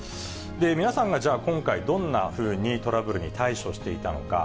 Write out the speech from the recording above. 皆さんがじゃあ、今回、どんなふうにトラブルに対処していたのか。